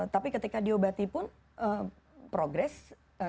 tapi ketika diobati pun progress